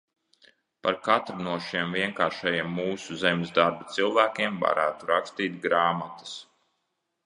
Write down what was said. Par katru no šiem vienkāršajiem mūsu zemes darba cilvēkiem varētu rakstīt grāmatas.